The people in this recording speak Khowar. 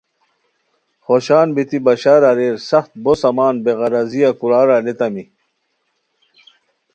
خوشان بیتی بشار اریرسخت بو سامان بے غراضیہ کورار الیتامی